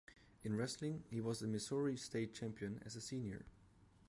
In wrestling, he was the Missouri State Champion as a senior.